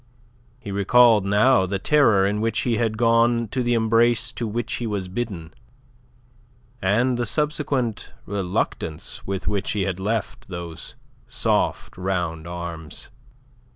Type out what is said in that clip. He recalled now the terror in which he had gone to the embrace to which he was bidden, and the subsequent reluctance with which he had left those soft round arms.